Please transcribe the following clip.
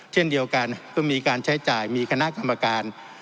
เช่นเดียวกันก็มีการใช้จ่ายมีคณะกรรมการ